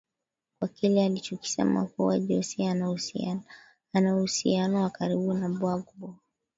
kwa kile alichokisema kuwa jose anauhusiano wa karibu na bagbo